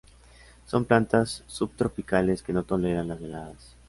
Son plantas subtropicales que no toleran las heladas.